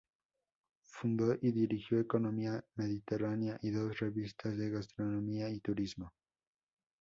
Fundó y dirigió "Economía Mediterránea" y dos revistas de gastronomía y turismo.